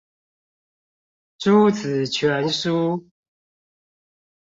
朱子全書